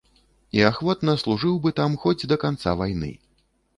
І ахвотна служыў бы там хоць да канца вайны.